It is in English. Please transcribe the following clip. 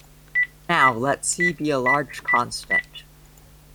Now, let "C" be a large constant.